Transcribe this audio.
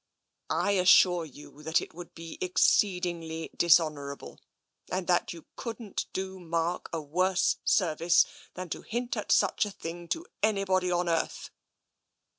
" I assure you that it would be exceedingly dishon ourable, and that you couldn't do Mark a worse service, than to hint at such a thing to anybody on earth."